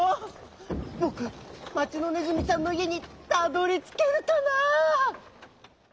ぼく町のねずみさんのいえにたどりつけるかなあ」。